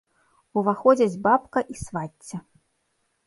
Уваходзяць бабка і свацця.